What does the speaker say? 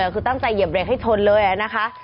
คือตั้งใจเหยียบเรกให้ชนเลยนะคะ